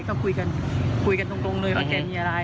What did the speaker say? ก็คุยกันตรงเลยว่ามีอะไร